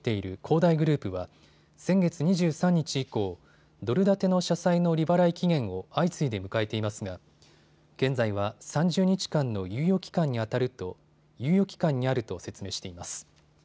大グループは先月２３日以降、ドル建ての社債の利払い期限を相次いで迎えていますが現在は３０日間の猶予期間にあると説明しています。